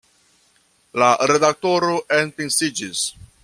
La redaktoro enpensiĝis.